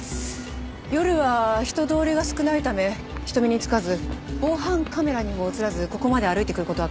夜は人通りが少ないため人目につかず防犯カメラにも映らずここまで歩いてくる事は可能です。